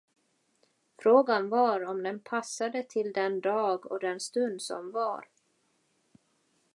Frågan var om den passade till den dag och den stund som var?